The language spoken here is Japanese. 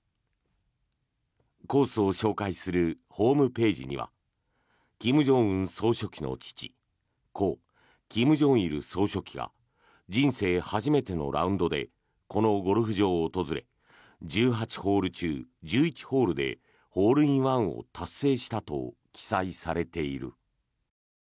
コースを紹介するホームページには金正恩総書記の父故・金正日総書記が人生初めてのラウンドでこのゴルフ場を訪れ１８ホール中１１ホールでホールインワンを達成したと記載されている。